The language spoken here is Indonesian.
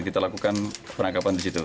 kita lakukan penangkapan di situ